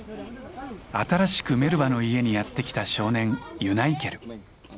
新しくメルバの家にやって来た少年ユナイケル。